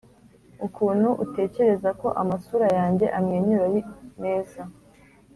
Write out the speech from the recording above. ukuntu utekereza ko amasura yanjye amwenyura ari meza.